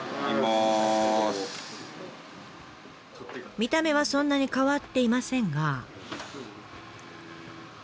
見た目はそんなに変わっていませんが。